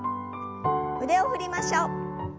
腕を振りましょう。